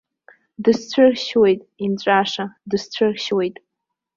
Дысцәыршьуеит, инҵәаша, дысцәыршьуеит!